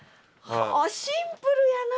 シンプルやな。